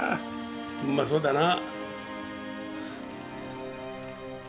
うまそうだな。